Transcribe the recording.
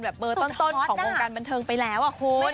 เบอร์ต้นของวงการบันเทิงไปแล้วอะคุณ